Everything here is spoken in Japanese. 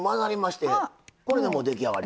これでもう出来上がり？